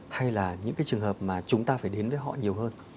hay là những cái trường hợp mà chúng ta phải đến với họ nhiều hơn